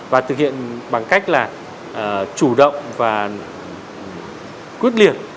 và thực hiện bằng cách là chủ động và quyết liệt